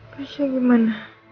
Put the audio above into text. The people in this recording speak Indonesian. kamu bisa berjalan